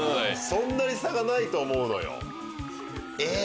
そんなに差がないと思うのよ。